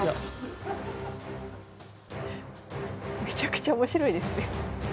めちゃくちゃ面白いですね。